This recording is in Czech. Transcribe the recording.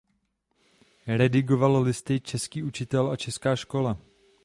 Redigoval listy "Český učitel" a "Česká škola".